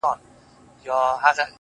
د مسجد په منارو درپسې ژاړم;